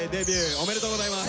ありがとうございます。